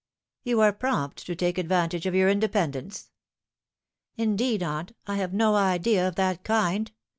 " You are prompt to take advantage of your independence." " Indeed, aunt, I have no idea of that kind.